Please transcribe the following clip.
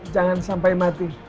jangan sampai mati